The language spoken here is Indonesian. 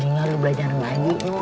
ini nga lo belajar ngaji ngo